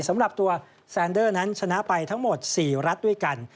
สำหรับตัวแซนเดอร์นั้นชนะไปทั้งหมด๔รัฐด้วยกัน